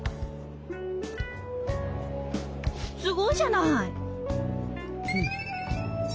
すごいじゃない！